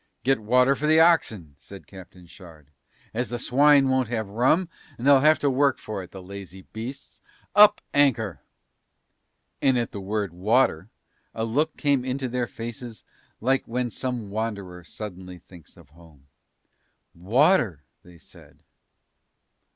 "Get water for the oxen," said Captain Shard, "as the swine won't have rum, and they'll have to work for it, the lazy beasts. Up anchor!" And at the word water a look came into their faces like when some wanderer suddenly thinks of home. "Water!" they said.